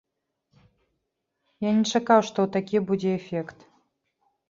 Я не чакаў, што такі будзе эфект.